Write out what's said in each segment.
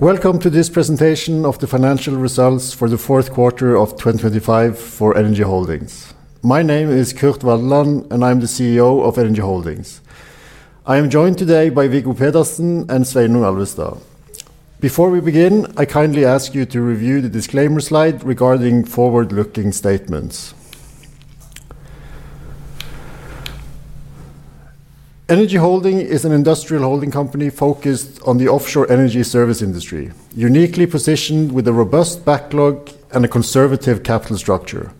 Welcome to this presentation of the financial results for the fourth quarter of 2025 for SED Energy Holdings. My name is Kurt M. Waldeland, and I'm the CEO of SED Energy Holdings. I am joined today by Viggo Pedersen and Sveinung Alvestad. Before we begin, I kindly ask you to review the disclaimer slide regarding forward-looking statements. SED Energy Holdings is an industrial holding company focused on the offshore energy service industry, uniquely positioned with a robust backlog and a conservative capital structure.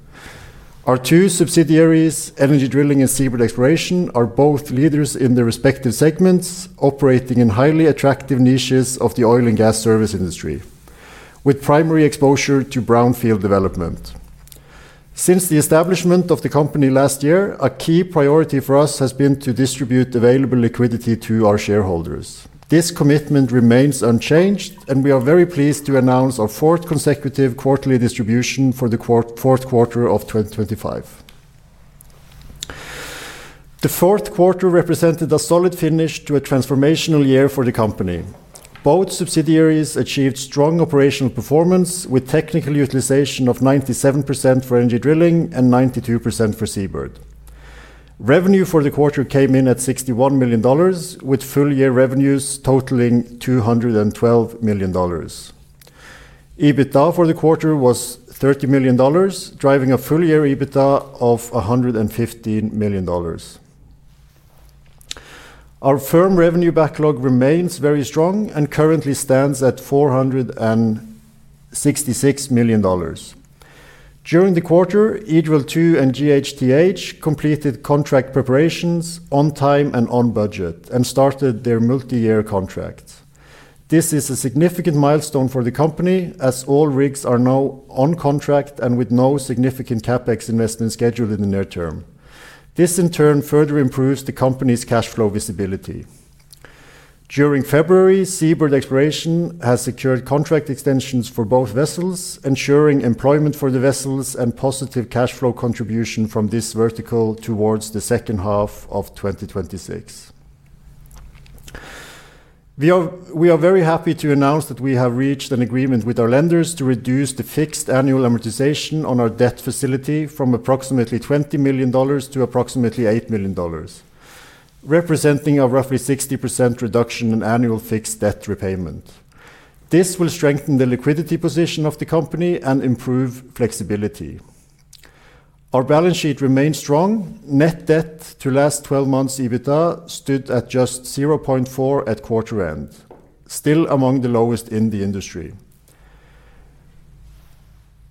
Our two subsidiaries, Energy Drilling and SeaBird Exploration, are both leaders in their respective segments, operating in highly attractive niches of the oil and gas service industry, with primary exposure to brownfield development. Since the establishment of the company last year, a key priority for us has been to distribute available liquidity to our shareholders. This commitment remains unchanged, we are very pleased to announce our fourth consecutive quarterly distribution for the fourth quarter of 2025. The fourth quarter represented a solid finish to a transformational year for the company. Both subsidiaries achieved strong operational performance, with technical utilization of 97% for Energy Drilling and 92% for SeaBird. Revenue for the quarter came in at $61 million, with full-year revenues totaling $212 million. EBITDA for the quarter was $30 million, driving a full-year EBITDA of $115 million. Our firm revenue backlog remains very strong and currently stands at $466 million. During the quarter, EDrill-2 and GHTH completed contract preparations on time and on budget and started their multiyear contract. This is a significant milestone for the company, as all rigs are now on contract and with no significant CapEx investment scheduled in the near term. This, in turn, further improves the company's cash flow visibility. During February, SeaBird Exploration has secured contract extensions for both vessels, ensuring employment for the vessels and positive cash flow contribution from this vertical towards the second half of 2026. We are very happy to announce that we have reached an agreement with our lenders to reduce the fixed annual amortization on our debt facility from approximately $20 million to approximately $8 million, representing a roughly 60% reduction in annual fixed debt repayment. This will strengthen the liquidity position of the company and improve flexibility. Our balance sheet remains strong. Net debt to last twelve months EBITDA stood at just 0.4 at quarter end, still among the lowest in the industry.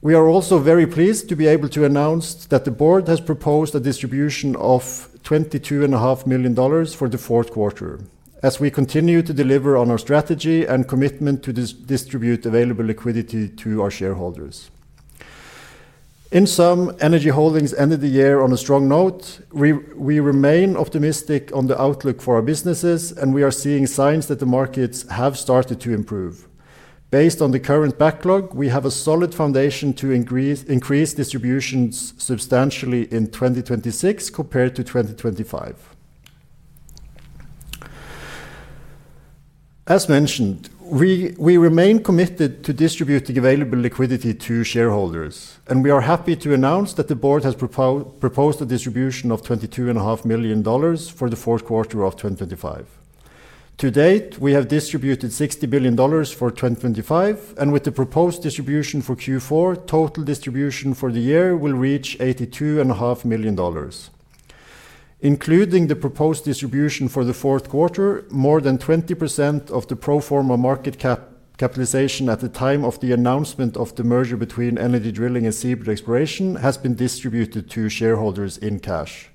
We are also very pleased to be able to announce that the board has proposed a distribution of twenty-two and a half million dollars for the fourth quarter, as we continue to deliver on our strategy and commitment to distribute available liquidity to our shareholders. In sum, SED Energy Holdings ended the year on a strong note. We remain optimistic on the outlook for our businesses, we are seeing signs that the markets have started to improve. Based on the current backlog, we have a solid foundation to increase distributions substantially in 2026 compared to 2025. As mentioned, we remain committed to distributing available liquidity to shareholders. We are happy to announce that the board has proposed a distribution of twenty-two and a half million dollars for the fourth quarter of 2025. To date, we have distributed $60 billion for 2025, and with the proposed distribution for Q4, total distribution for the year will reach eighty-two and a half million dollars. Including the proposed distribution for the fourth quarter, more than 20% of the pro forma capitalization at the time of the announcement of the merger between Energy Drilling and Seabird Exploration has been distributed to shareholders in cash,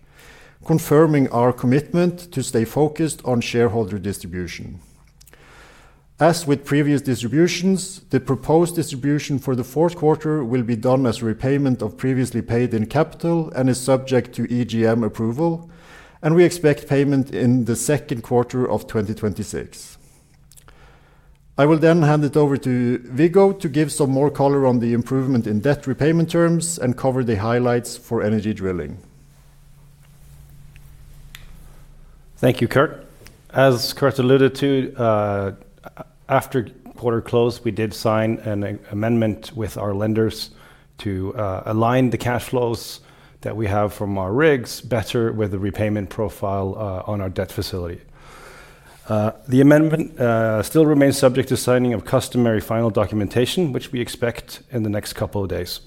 confirming our commitment to stay focused on shareholder distribution. As with previous distributions, the proposed distribution for the fourth quarter will be done as repayment of previously paid-in capital and is subject to EGM approval. We expect payment in the second quarter of 2026. I will hand it over to Viggo to give some more color on the improvement in debt repayment terms and cover the highlights for Energy Drilling. Thank you, Kurt. As Kurt alluded to, after quarter close, we did sign an amendment with our lenders to align the cash flows that we have from our rigs better with the repayment profile on our debt facility. The amendment still remains subject to signing of customary final documentation, which we expect in the next couple of days.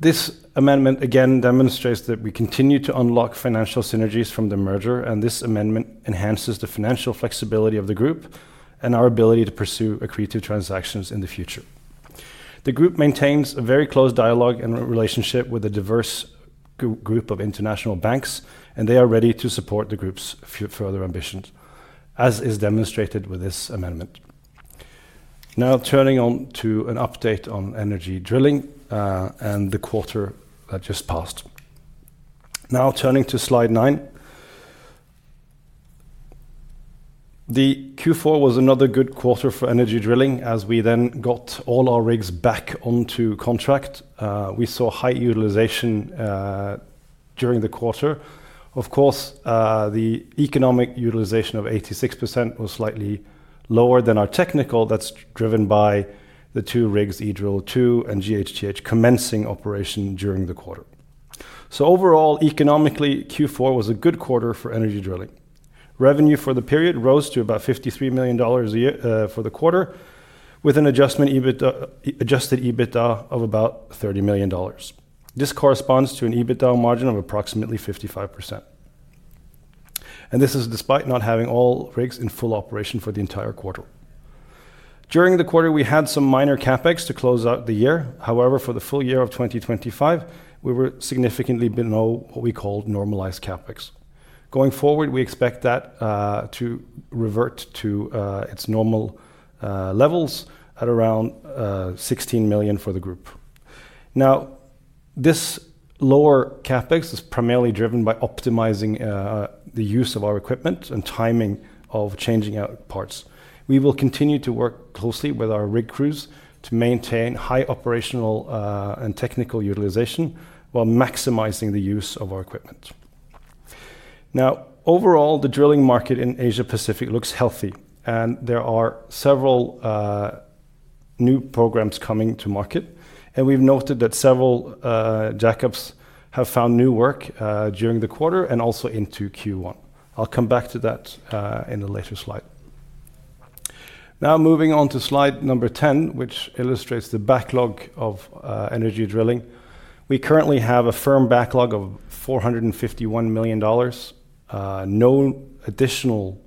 This amendment again demonstrates that we continue to unlock financial synergies from the merger, and this amendment enhances the financial flexibility of the group and our ability to pursue accretive transactions in the future. The group maintains a very close dialogue and relationship with a diverse group of international banks, and they are ready to support the group's further ambitions, as is demonstrated with this amendment. Now turning on to an update on Energy Drilling and the quarter just passed. Turning to slide 9. Q4 was another good quarter for Energy Drilling as we then got all our rigs back onto contract. We saw high utilization during the quarter. Of course, the economic utilization of 86% was slightly lower than our technical. That's driven by the two rigs, EDrill-2 and GHTH, commencing operation during the quarter. Overall, economically, Q4 was a good quarter for Energy Drilling. Revenue for the period rose to about $53 million a year for the quarter, with an adjustment EBIT, adjusted EBITDA of about $30 million. This corresponds to an EBITDA margin of approximately 55%, and this is despite not having all rigs in full operation for the entire quarter. During the quarter, we had some minor CapEx to close out the year. However, for the full year of 2025, we were significantly below what we called normalized CapEx. Going forward, we expect that to revert to its normal levels at around $16 million for the group. This lower CapEx is primarily driven by optimizing the use of our equipment and timing of changing out parts. We will continue to work closely with our rig crews to maintain high operational and technical utilization, while maximizing the use of our equipment. Overall, the drilling market in Asia Pacific looks healthy, and there are several new programs coming to market. We've noted that several jack-up have found new work during the quarter and also into Q1. I'll come back to that in a later slide. Moving on to slide number 10, which illustrates the backlog of Energy Drilling. We currently have a firm backlog of $451 million. No additional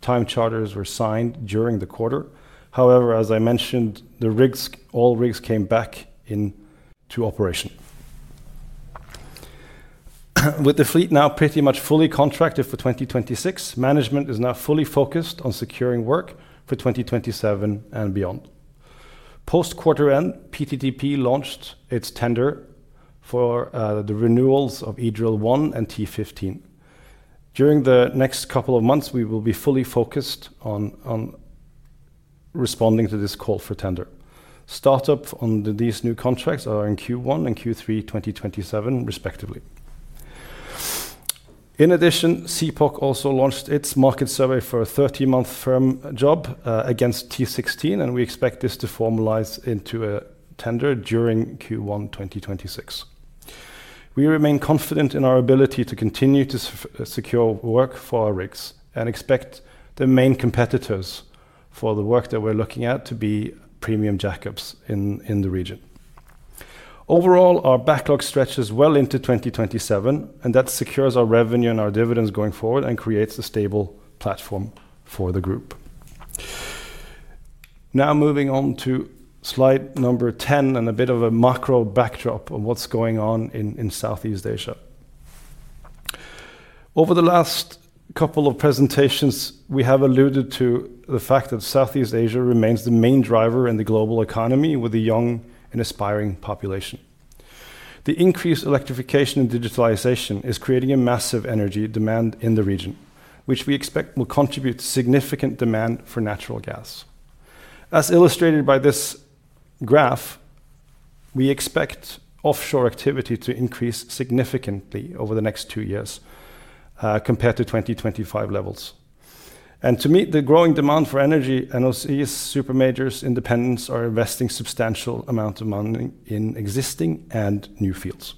time charters were signed during the quarter. However, as I mentioned, all rigs came back in to operation. With the fleet now pretty much fully contracted for 2026, management is now fully focused on securing work for 2027 and beyond. Post quarter end, PTTEP launched its tender for the renewals of EDrill-1 and T-15. During the next couple of months, we will be fully focused on responding to this call for tender. Startup on these new contracts are in Q1 and Q3 2027, respectively. In addition, CPOC also launched its market survey for a 30-month firm job against T-16, and we expect this to formalize into a tender during Q1 2026. We remain confident in our ability to continue to secure work for our rigs and expect the main competitors for the work that we're looking at to be Premium jack-up in the region. Overall, our backlog stretches well into 2027, and that secures our revenue and our dividends going forward and creates a stable platform for the group. Now, moving on to slide number 10 and a bit of a macro backdrop of what's going on in Southeast Asia. Over the last couple of presentations, we have alluded to the fact that Southeast Asia remains the main driver in the global economy, with a young and aspiring population. The increased electrification and digitalization is creating a massive energy demand in the region, which we expect will contribute significant demand for natural gas. As illustrated by this graph, we expect offshore activity to increase significantly over the next two years, compared to 2025 levels. To meet the growing demand for energy, NOCs, super majors, independents, are investing substantial amounts of money in existing and new fields.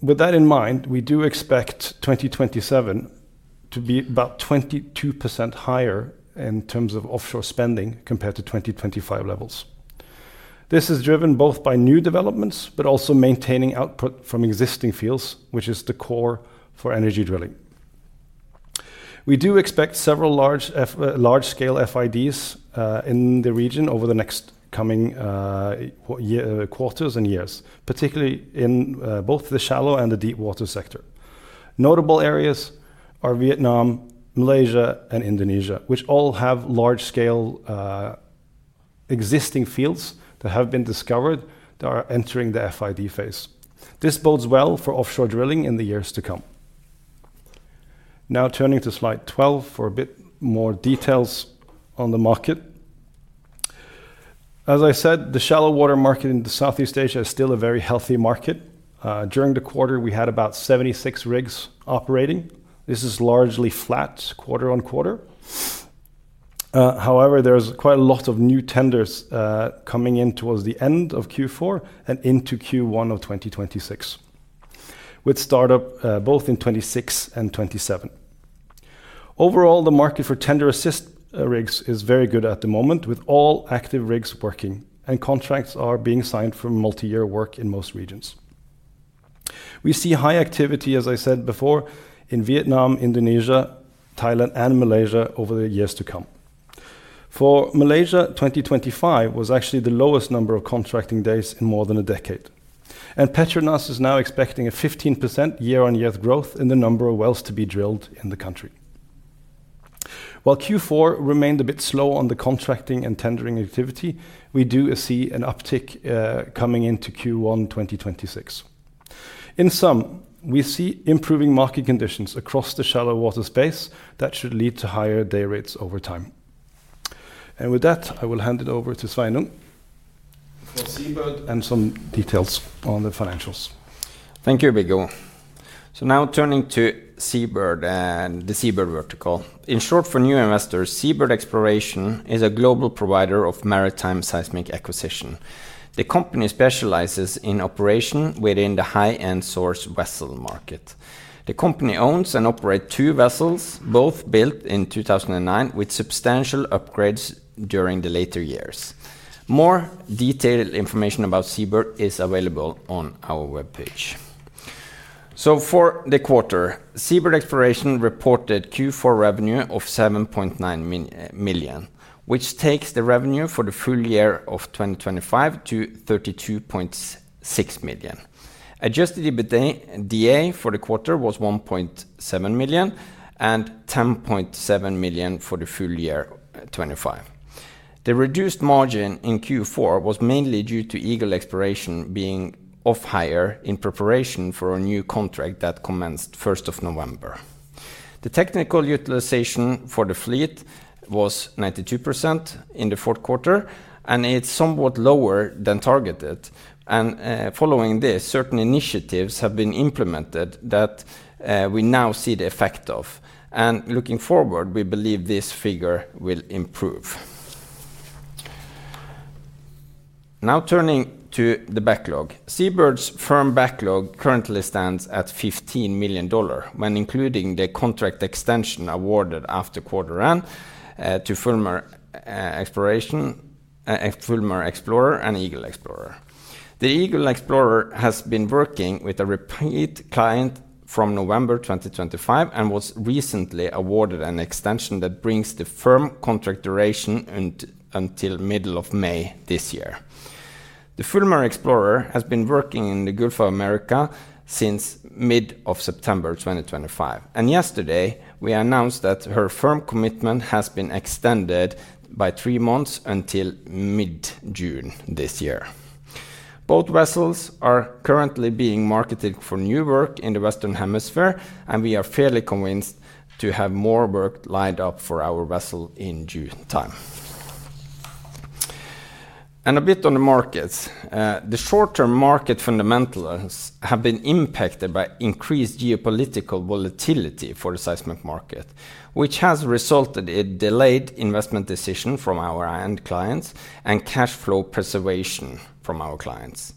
With that in mind, we do expect 2027 to be about 22% higher in terms of offshore spending compared to 2025 levels. This is driven both by new developments, but also maintaining output from existing fields, which is the core for Energy Drilling. We do expect several large-scale FIDs in the region over the next coming quarters and years, particularly in both the shallow and the deepwater sector. Notable areas are Vietnam, Malaysia, and Indonesia, which all have large-scale existing fields that have been discovered, that are entering the FID phase. This bodes well for offshore drilling in the years to come. Turning to slide 12 for a bit more details on the market. As I said, the shallow water market in Southeast Asia is still a very healthy market. During the quarter, we had about 76 rigs operating. This is largely flat quarter-over-quarter. However, there's quite a lot of new tenders coming in towards the end of Q4 and into Q1 of 2026, with startup both in 2026 and 2027. The market for tender assist rigs is very good at the moment, with all active rigs working, and contracts are being signed for multi-year work in most regions. We see high activity, as I said before, in Vietnam, Indonesia, Thailand, and Malaysia over the years to come. For Malaysia, 2025 was actually the lowest number of contracting days in more than a decade. PETRONAS is now expecting a 15% year-on-year growth in the number of wells to be drilled in the country. While Q4 remained a bit slow on the contracting and tendering activity, we do see an uptick coming into Q1 2026. In sum, we see improving market conditions across the shallow water space that should lead to higher day rates over time. With that, I will hand it over to Sveinung for SeaBird and some details on the financials. Thank you, Viggo. Now turning to SeaBird and the SeaBird vertical. In short, for new investors, SeaBird Exploration is a global provider of maritime seismic acquisition. The company specializes in operation within the high-end source vessel market. The company owns and operate 2 vessels, both built in 2009, with substantial upgrades during the later years. More detailed information about SeaBird is available on our webpage. For the quarter, SeaBird Exploration reported Q4 revenue of $7.9 million, which takes the revenue for the full year of 2025 to $32.6 million. Adjusted EBITDA for the quarter was $1.7 million and $10.7 million for the full year 2025. The reduced margin in Q4 was mainly due to Eagle Explorer being off hire in preparation for a new contract that commenced 1st of November. The technical utilization for the fleet was 92% in the fourth quarter, and it's somewhat lower than targeted. Following this, certain initiatives have been implemented that we now see the effect of, and looking forward, we believe this figure will improve. Turning to the backlog. SeaBird's firm backlog currently stands at $15 million, when including the contract extension awarded after quarter end to Fulmar Explorer and Eagle Explorer. The Eagle Explorer has been working with a repeat client from November 2025 and was recently awarded an extension that brings the firm contract duration until middle of May this year. The Fulmar Explorer has been working in the Gulf of Mexico since mid of September 2025. Yesterday, we announced that her firm commitment has been extended by three months until mid-June this year. Both vessels are currently being marketed for new work in the Western Hemisphere, and we are fairly convinced to have more work lined up for our vessel in due time. A bit on the markets. The short-term market fundamentals have been impacted by increased geopolitical volatility for the seismic market, which has resulted in delayed investment decision from our end clients and cash flow preservation from our clients.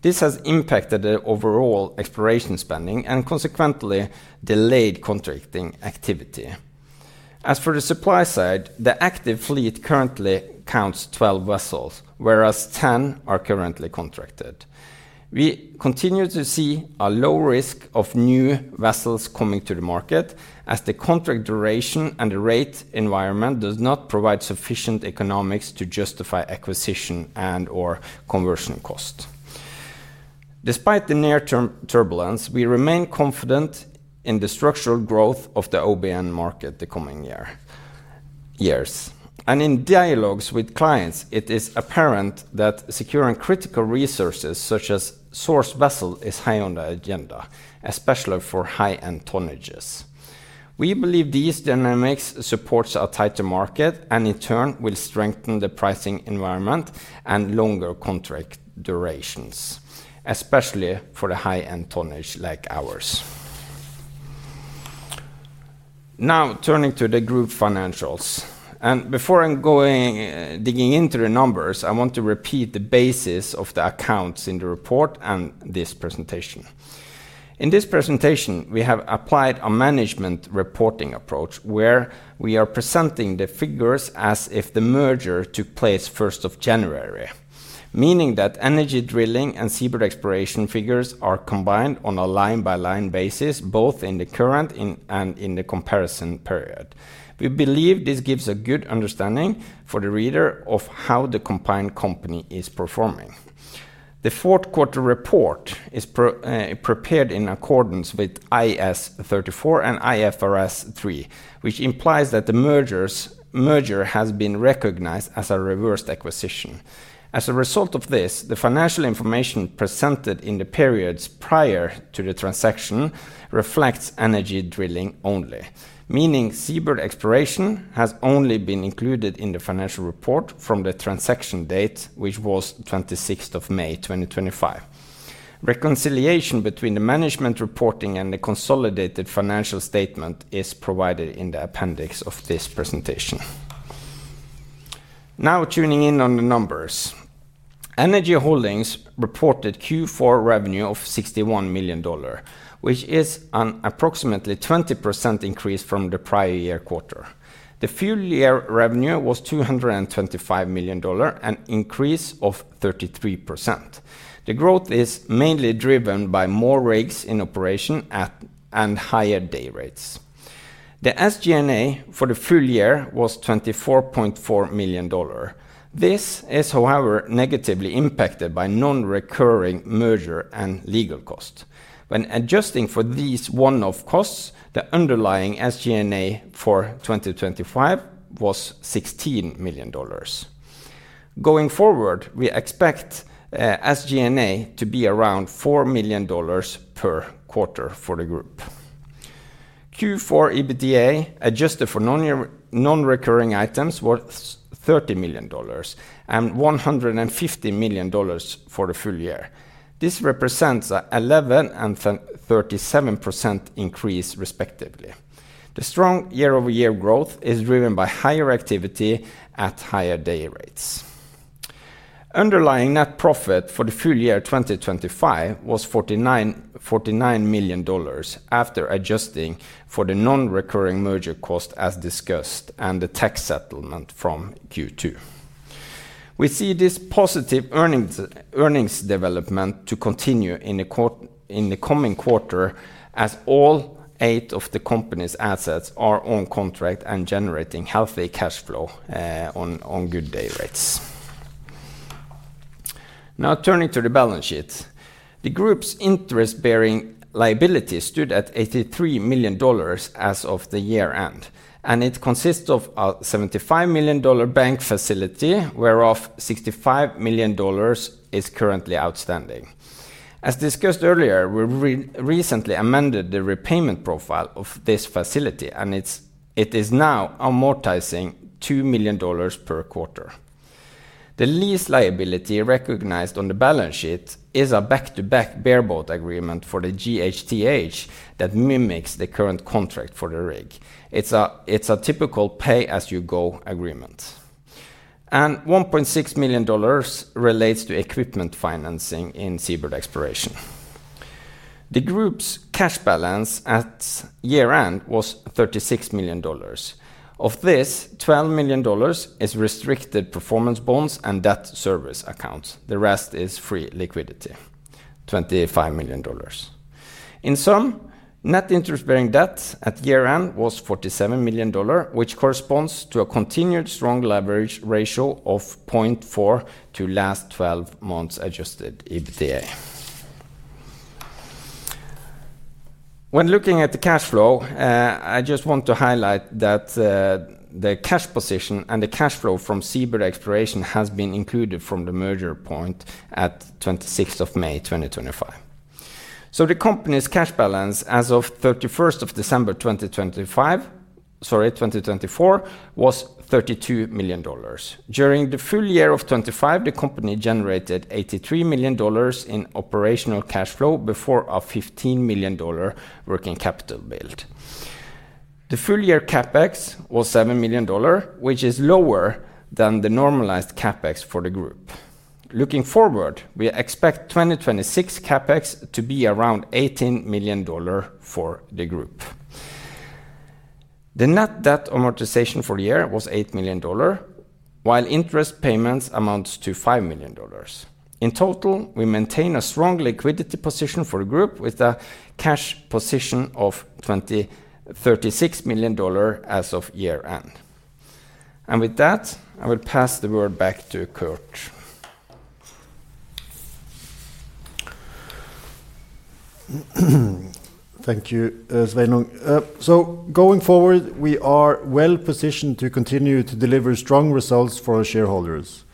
This has impacted the overall exploration spending and consequently, delayed contracting activity. As for the supply side, the active fleet currently counts 12 vessels, whereas 10 are currently contracted. We continue to see a low risk of new vessels coming to the market, as the contract duration and the rate environment does not provide sufficient economics to justify acquisition and/or conversion cost. Despite the near-term turbulence, we remain confident in the structural growth of the OBN market the coming year, years. In dialogues with clients, it is apparent that securing critical resources, such as source vessel, is high on the agenda, especially for high-end tonnages. We believe these dynamics supports a tighter market and, in turn, will strengthen the pricing environment and longer contract durations, especially for the high-end tonnage like ours. Now, turning to the group financials. Before I'm going, digging into the numbers, I want to repeat the basis of the accounts in the report and this presentation. In this presentation, we have applied a management reporting approach, where we are presenting the figures as if the merger took place first of January, meaning that Energy Drilling and SeaBird Exploration figures are combined on a line-by-line basis, both in the current and in the comparison period. We believe this gives a good understanding for the reader of how the combined company is performing. The fourth quarter report is prepared in accordance with IAS 34 and IFRS 3, which implies that the merger has been recognized as a reversed acquisition. As a result of this, the financial information presented in the periods prior to the transaction reflects Energy Drilling only, meaning SeaBird Exploration has only been included in the financial report from the transaction date, which was 26th of May 2025. Reconciliation between the management reporting and the consolidated financial statement is provided in the appendix of this presentation. Tuning in on the numbers. Energy Holdings reported Q4 revenue of $61 million, which is an approximately 20% increase from the prior year quarter. The full year revenue was $225 million, an increase of 33%. The growth is mainly driven by more rigs in operation at, and higher day rates. The SG&A for the full year was $24.4 million. This is, however, negatively impacted by non-recurring merger and legal cost. When adjusting for these one-off costs, the underlying SG&A for 2025 was $16 million. Going forward, we expect SG&A to be around $4 million per quarter for the group. Q4 EBITDA adjusted for non-year, non-recurring items was $30 million and $150 million for the full year. This represents 11% and 37% increase, respectively. The strong year-over-year growth is driven by higher activity at higher day rates. Underlying net profit for the full year 2025 was $49 million after adjusting for the non-recurring merger cost as discussed and the tax settlement from Q2. We see this positive earnings development to continue in the coming quarter as all eight of the company's assets are on contract and generating healthy cash flow on good day rates. Now, turning to the balance sheet. The group's interest-bearing liability stood at $83 million as of the year-end, and it consists of a $75 million bank facility, whereof $65 million is currently outstanding. As discussed earlier, we recently amended the repayment profile of this facility, and it is now amortizing $2 million per quarter. The lease liability recognized on the balance sheet is a back-to-back bareboat agreement for the GHTH that mimics the current contract for the rig. It's a typical pay-as-you-go agreement. 1.6 million dollars relates to equipment financing in SeaBird Exploration. The group's cash balance at year-end was $36 million. Of this, $12 million is restricted performance bonds and debt service accounts. The rest is free liquidity, $25 million. In sum, net interest bearing debt at year-end was $47 million, which corresponds to a continued strong leverage ratio of 0.4 to last 12 months adjusted EBITDA. When looking at the cash flow, I just want to highlight that the cash position and the cash flow from SeaBird Exploration has been included from the merger point at 26th of May 2025. The company's cash balance as of 31st of December, 2025, sorry, 2024, was $32 million. During the full year of 2025, the company generated $83 million in operational cash flow before a $15 million working capital build. The full year CapEx was $7 million, which is lower than the normalized CapEx for the group. Looking forward, we expect 2026 CapEx to be around $18 million for the group. The net debt amortization for the year was $8 million, while interest payments amounts to $5 million. In total, we maintain a strong liquidity position for the group with a cash position of $36 million as of year-end. With that, I will pass the word back to Kurt. Thank you, Sveinung. Going forward, we are well positioned to continue to deliver strong results for our shareholders.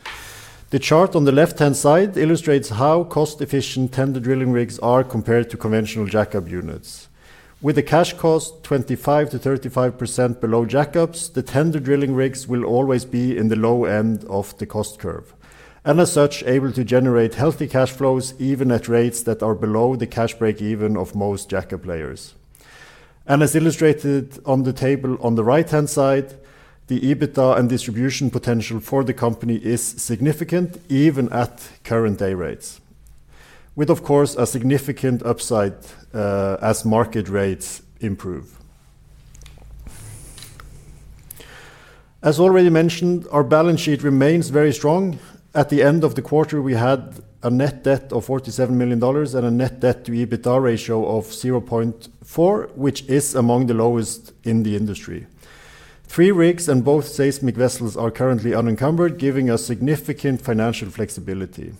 The chart on the left-hand side illustrates how cost-efficient tender drilling rigs are compared to conventional jack-up units. With a cash cost 25%-35% below jack-ups, the tender drilling rigs will always be in the low end of the cost curve, and as such, able to generate healthy cash flows, even at rates that are below the cash breakeven of most jack-up players. As illustrated on the table on the right-hand side, the EBITDA and distribution potential for the company is significant, even at current day rates, with, of course, a significant upside as market rates improve. As already mentioned, our balance sheet remains very strong. At the end of the quarter, we had a net debt of $47 million and a net debt to EBITDA ratio of 0.4, which is among the lowest in the industry. Three rigs and both seismic vessels are currently unencumbered, giving us significant financial flexibility.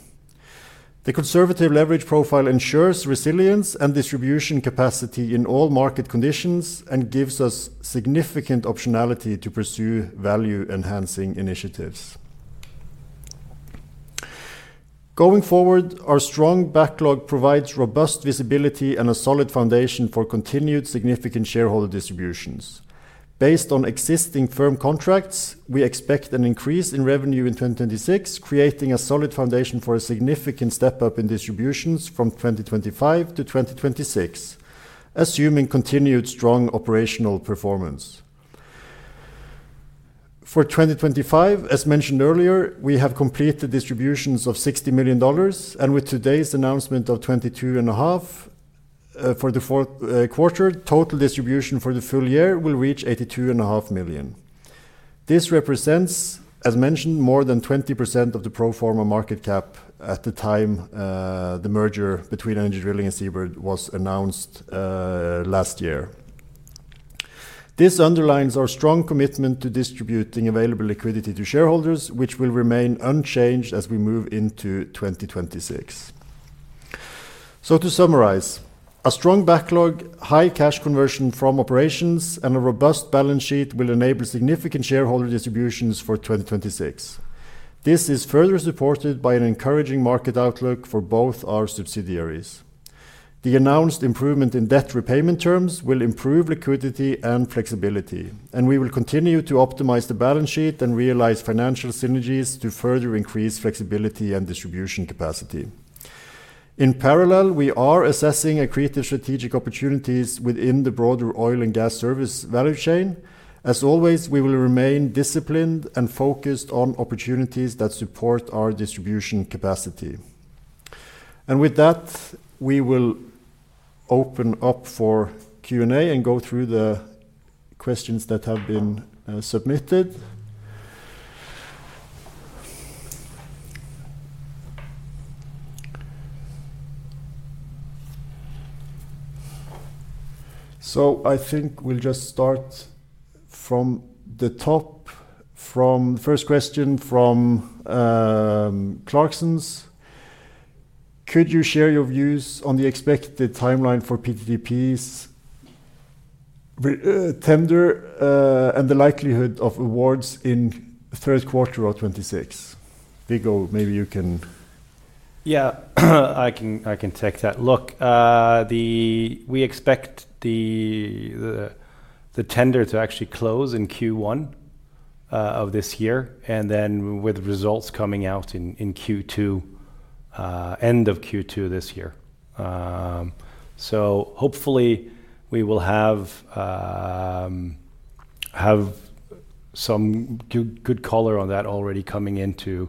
The conservative leverage profile ensures resilience and distribution capacity in all market conditions and gives us significant optionality to pursue value-enhancing initiatives. Going forward, our strong backlog provides robust visibility and a solid foundation for continued significant shareholder distributions. Based on existing firm contracts, we expect an increase in revenue in 2026, creating a solid foundation for a significant step up in distributions from 2025 to 2026, assuming continued strong operational performance. For 2025, as mentioned earlier, we have completed distributions of $60 million, and with today's announcement of 22 and a half for the 4th quarter, total distribution for the full year will reach 82 and a half million. This represents, as mentioned, more than 20% of the pro forma market cap at the time the merger between Energy Drilling and SeaBird was announced last year. This underlines our strong commitment to distributing available liquidity to shareholders, which will remain unchanged as we move into 2026. To summarize, a strong backlog, high cash conversion from operations, and a robust balance sheet will enable significant shareholder distributions for 2026. This is further supported by an encouraging market outlook for both our subsidiaries. The announced improvement in debt repayment terms will improve liquidity and flexibility, and we will continue to optimize the balance sheet and realize financial synergies to further increase flexibility and distribution capacity. In parallel, we are assessing accretive strategic opportunities within the broader oil and gas service value chain. As always, we will remain disciplined and focused on opportunities that support our distribution capacity. With that, we will open up for Q&A and go through the questions that have been submitted. I think we'll just start from the top, from first question from Clarksons. Could you share your views on the expected timeline for PTTEP's tender and the likelihood of awards in the third quarter of 2026? Viggo, maybe you. Yeah, I can take that. Look, we expect the tender to actually close in Q1 of this year, and then with results coming out in Q2, end of Q2 this year. Hopefully we will have some good color on that already coming into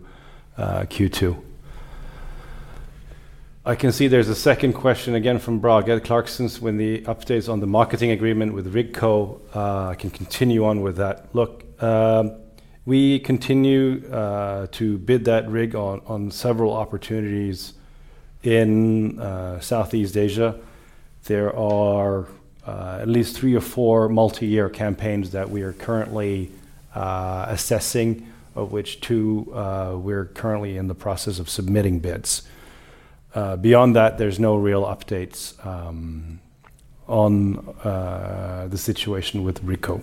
Q2. I can see there's a second question again from Børge Clarkson's. When the updates on the marketing agreement with RigCo, I can continue on with that. Look, we continue to bid that rig on several opportunities in Southeast Asia. There are at least 3 or 4 multi-year campaigns that we are currently assessing, of which 2, we're currently in the process of submitting bids. Beyond that, there's no real updates on the situation with RigCo.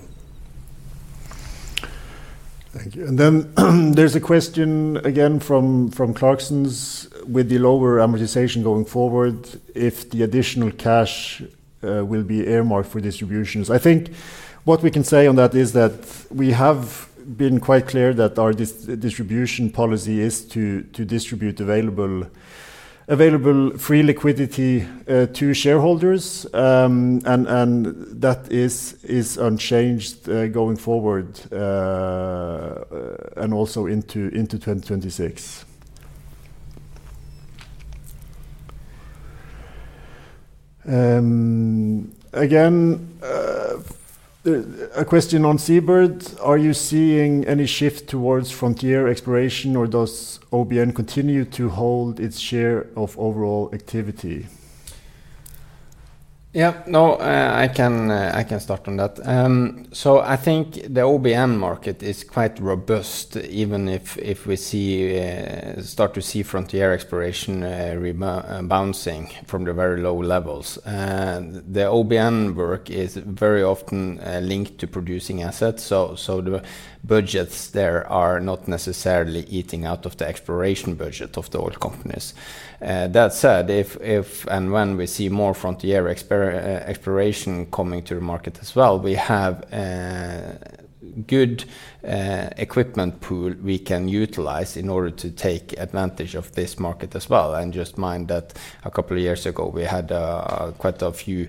Thank you. Then, there's a question again from Clarksons. With the lower amortization going forward, if the additional cash will be earmarked for distributions. I think what we can say on that is that we have been quite clear that our distribution policy is to distribute available free liquidity to shareholders. That is unchanged going forward and also into 2026. Again, a question on Seabird. Are you seeing any shift towards frontier exploration, or does OBN continue to hold its share of overall activity? No, I can, I can start on that. So I think the OBN market is quite robust, even if we see start to see frontier exploration bouncing from the very low levels. The OBN work is very often linked to producing assets, so the budgets there are not necessarily eating out of the exploration budget of the oil companies. That said, if and when we see more frontier exploration coming to the market as well, we have a good equipment pool we can utilize in order to take advantage of this market as well. Just mind that a couple of years ago, we had quite a few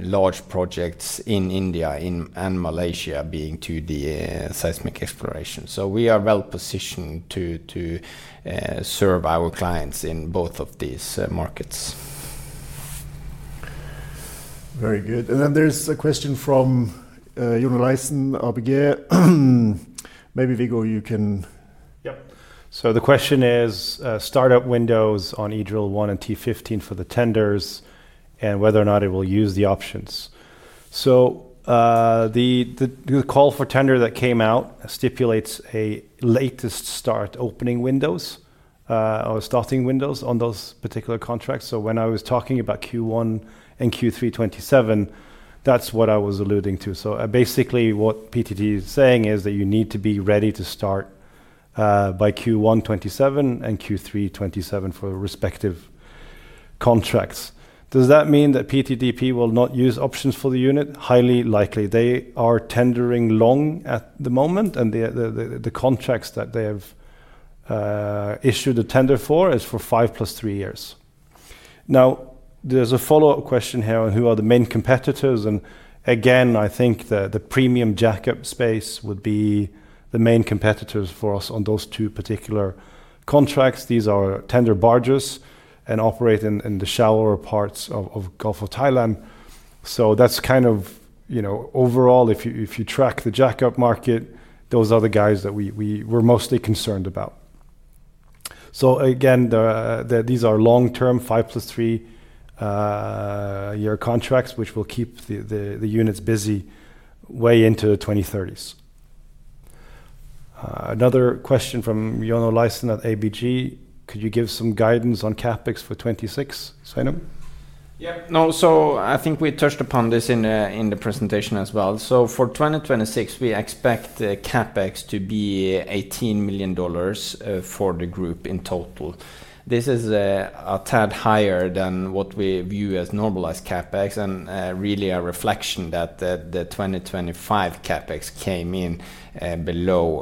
large projects in India and Malaysia being to the seismic exploration. We are well positioned to serve our clients in both of these markets. Very good. There's a question from Jonathan Abigeh. Yep. The question is, start up windows on EDrill-1 and T-15 for the tenders and whether or not it will use the options. The call for tender that came out stipulates a latest start opening windows or starting windows on those particular contracts. When I was talking about Q1 and Q3 2027, that's what I was alluding to. Basically, what PTT is saying is that you need to be ready to start by Q1 2027 and Q3 2027 for respective contracts. Does that mean that PTTEP will not use options for the unit? Highly likely. They are tendering long at the moment, the contracts that they have issued a tender for is for 5 plus 3 years. There's a follow-up question here: Who are the main competitors? Again, I think the premium jack-up space would be the main competitors for us on those two particular contracts. These are tender barges and operate in the shallower parts of Gulf of Thailand. That's kind of, you know, overall, if you, if you track the jack-up market, those are the guys that we're mostly concerned about. Again, these are long-term, 5 plus 3 year contracts, which will keep the units busy way into the 2030s. Another question from Jonas Løvseth at ABG: Could you give some guidance on CapEx for 2026, Sveinung? I think we touched upon this in the presentation as well. For 2026, we expect the CapEx to be $18 million for the group in total. This is a tad higher than what we view as normalized CapEx and really a reflection that the 2025 CapEx came in below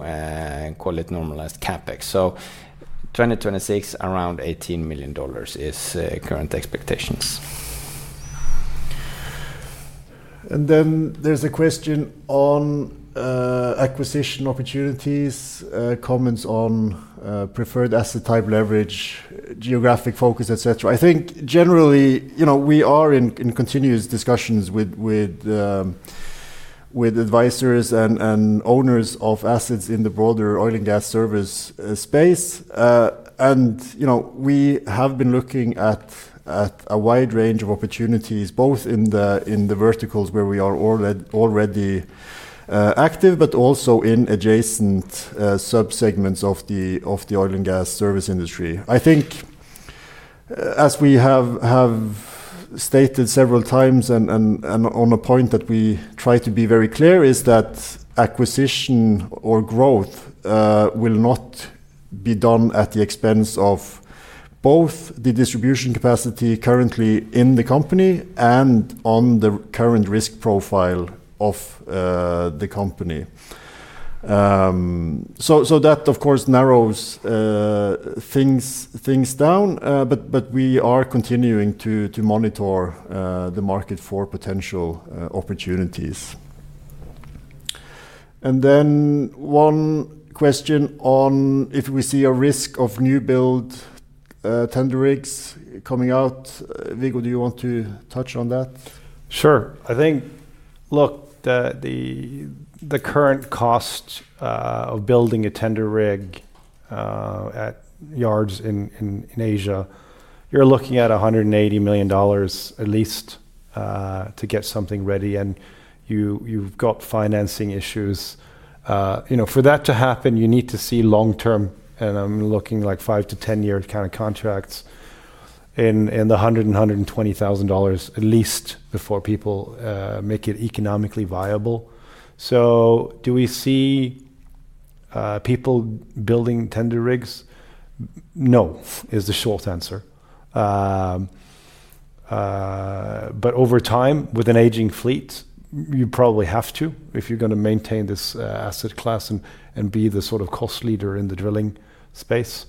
call it normalized CapEx. 2026, around $18 million is current expectations. There's a question on acquisition opportunities, comments on preferred asset type leverage, geographic focus, et cetera. I think generally, you know, we are in continuous discussions with advisors and owners of assets in the broader oil and gas service space. You know, we have been looking at a wide range of opportunities, both in the verticals where we are already active, but also in adjacent subsegments of the oil and gas service industry. I think, as we have stated several times and on a point that we try to be very clear, is that acquisition or growth will not be done at the expense of both the distribution capacity currently in the company and on the current risk profile of the company. That, of course, narrows things down. We are continuing to monitor the market for potential opportunities. Then one question on if we see a risk of new build tender rigs coming out. Viggo, do you want to touch on that? Sure. I think, look, the current cost of building a tender rig at yards in Asia, you're looking at $180 million at least to get something ready, and you've got financing issues. You know, for that to happen, you need to see long term, and I'm looking like 5-10 year kind of contracts in the $100,000-$120,000 at least before people make it economically viable. Do we see people building tender rigs? No, is the short answer. But over time, with an aging fleet, you probably have to, if you're gonna maintain this asset class and be the sort of cost leader in the drilling space.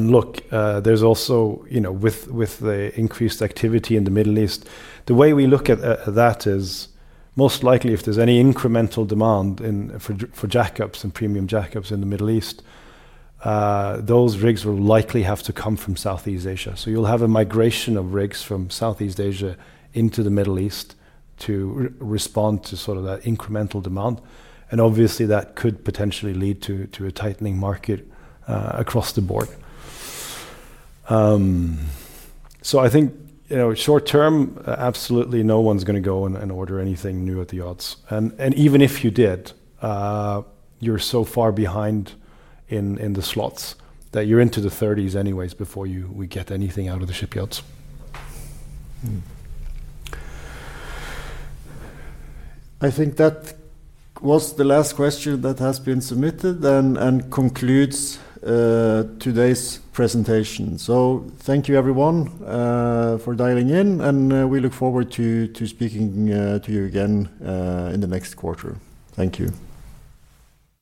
Look, you know, with the increased activity in the Middle East, the way we look at that is most likely if there's any incremental demand for jack-up and premium jack-up in the Middle East, those rigs will likely have to come from Southeast Asia. You'll have a migration of rigs from Southeast Asia into the Middle East to respond to sort of that incremental demand, and obviously that could potentially lead to a tightening market across the board. I think, you know, short term, absolutely, no one's gonna go and order anything new at the odds. Even if you did, you're so far behind in the slots that you're into the 30s anyways before we get anything out of the shipyards. I think that was the last question that has been submitted and concludes today's presentation. Thank you everyone for dialing in, and we look forward to speaking to you again in the next quarter. Thank you.